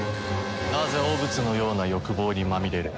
なぜ汚物のような欲望にまみれる？